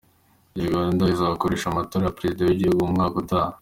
Uganda izakoresha amatora ya Perezida w’igihugu mu mwaka utaha.